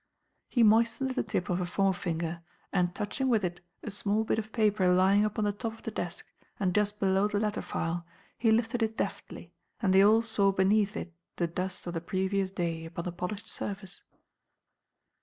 He moistened the tip of a forefinger, and, touching with it a small bit of paper lying upon the top of the desk and just below the letter file, he lifted it deftly, and they all saw beneath it the dust of the previous day upon the polished surface.